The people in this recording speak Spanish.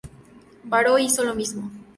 Varo hizo lo mismo.